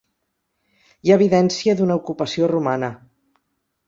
Hi ha evidència d'una ocupació romana.